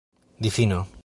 difino